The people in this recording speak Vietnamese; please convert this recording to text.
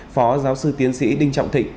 phó giáo sư tiến sĩ đinh trọng thịnh